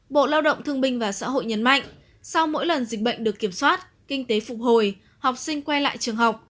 bộ lao động thương binh và xã hội nhấn mạnh sau mỗi lần dịch bệnh được kiểm soát kinh tế phục hồi học sinh quay lại trường học